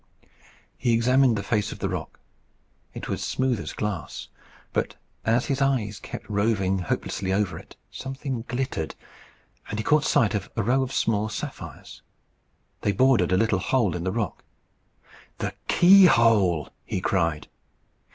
He examined the face of the rock. It was smooth as glass. But as his eyes kept roving hopelessly over it, something glittered, and he caught sight of a row of small sapphires. They bordered a little hole in the rock. "The key hole!" he cried.